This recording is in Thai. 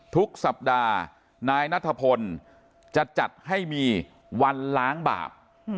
ทุกสัปดาห์นายนัทพลจะจัดให้มีวันล้างบาป